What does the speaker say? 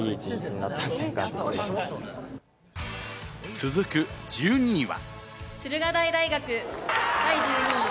続く１２位は。